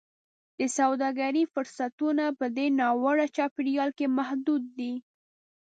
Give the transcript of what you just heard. د سوداګرۍ فرصتونه په دې ناوړه چاپېریال کې محدود دي.